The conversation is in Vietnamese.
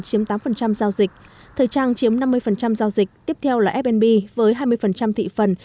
chiếm tám giao dịch thời trang chiếm năm mươi giao dịch tiếp theo là fnb với hai mươi thị phần